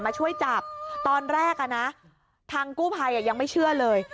มาช่วยจับตอนแรกอ่ะนะทางกู้ภัยยังไม่เชื่อเลย